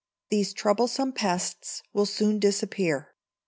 these troublesome pests with soon disappear.